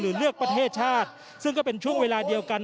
เลือกประเทศชาติซึ่งก็เป็นช่วงเวลาเดียวกัน